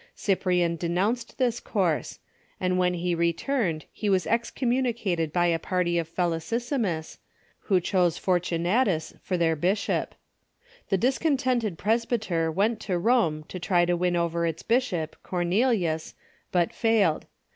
Cyprian denounced this course, and when he returned he was excommunicated by the party of Felicissimus, who chose Fortunatus for their bishop. The discontented presbyter went to Rome to try to win over its bishop, Cornelius, but failed.